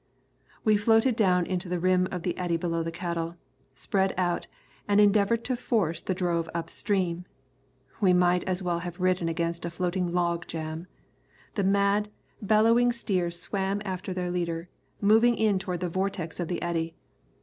We floated down into the rim of the eddy below the cattle, spread out, and endeavoured to force the drove up stream. We might as well have ridden against a floating log jam. The mad, bellowing steers swam after their leader, moving in toward the vortex of the eddy.